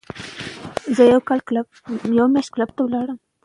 میرویس په اصفهان کې د نظر بند په توګه پاتې شو.